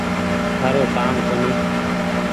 تآرو ڪآم ڪونيٚ